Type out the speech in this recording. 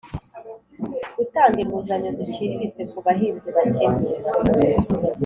gutanga inguzanyo ziciriritse ku bahinzi bakennye